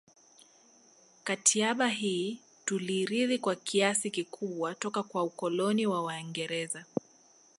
Katiaba hii tuliirithi kwa kiasi kikubwa toka kwa ukoloni wa waingereza